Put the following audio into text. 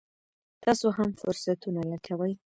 تاسو هم فرصتونه لټوئ.